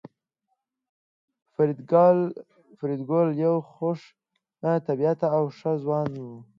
فریدګل یو خوش طبیعته او ښه ځوان و